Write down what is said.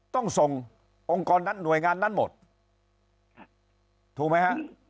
ต้องส่งองค์กรนั้นหน่วยงานนั้นหมดถูกไหมฮะ